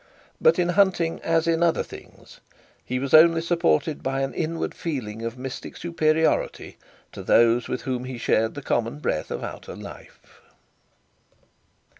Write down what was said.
But in hunting as in other things he was only supported by the inward feeling of mystic superiority to those with whom he shared the common breath of outer life.